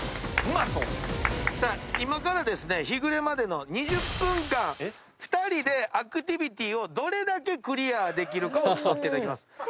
今から日暮れまでの２０分間２人でアクティビティをどれだけクリアできるかを競っていただきます。